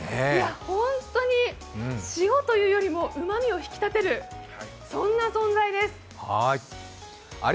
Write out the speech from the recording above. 本当に塩というよりもうまみを引き立てるそんな存在です。